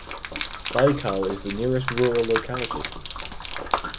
Baykal is the nearest rural locality.